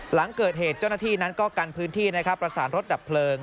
หลังเกิดเหตุเจ้าหน้าที่นั้นก็กันพื้นที่นะครับประสานรถดับเพลิง